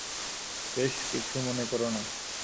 বেশ কিছু মনে কোরো না।